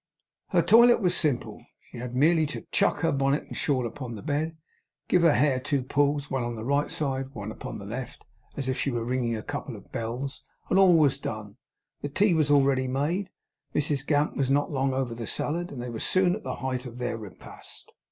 Her toilet was simple. She had merely to 'chuck' her bonnet and shawl upon the bed; give her hair two pulls, one upon the right side and one upon the left, as if she were ringing a couple of bells; and all was done. The tea was already made, Mrs Gamp was not long over the salad, and they were soon at the height of their repast.